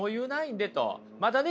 またね